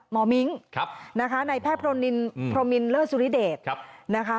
มมิงในแพทย์โพรมินเลอสุริเดช